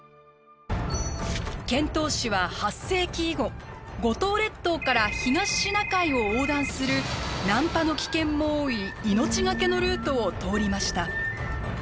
遣唐使は８世紀以後五島列島から東シナ海を横断する難破の危険も多い命がけのルートを通りました。